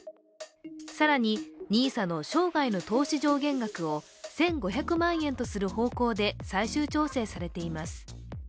更に、ＮＩＳＡの生涯の投資上限額を１５００万円とする方向で最終調整されています。